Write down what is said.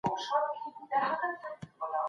شاه ولي خان ولي د سلیمان میرزا څخه ملاتړ وکړ؟